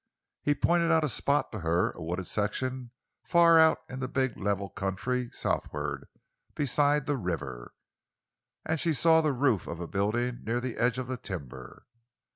He pointed out a spot to her—a wooded section far out in the big level country southward, beside the river—and she saw the roof of a building near the edge of the timber.